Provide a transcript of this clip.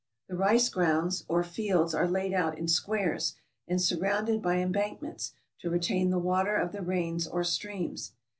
The rice grounds or fields are laid out in squares, and surrounded by embankments, to retain the water of the rains or streams.